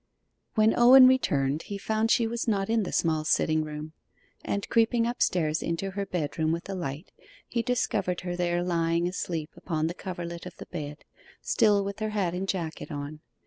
When Owen returned he found she was not in the small sitting room, and creeping upstairs into her bedroom with a light, he discovered her there lying asleep upon the coverlet of the bed, still with her hat and jacket on.